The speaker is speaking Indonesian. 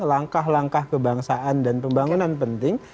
langkah langkah kebangsaan dan pembangunan penting